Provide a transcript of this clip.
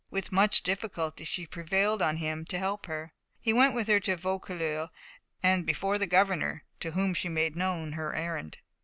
With much difficulty she prevailed on him to help her. He went with her to Vaucouleurs, and before the governor, to whom she made known her errand.